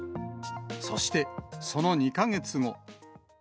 そして、その２か月後。